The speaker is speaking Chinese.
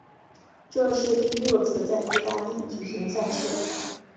这是第六次在意大利举行赛事。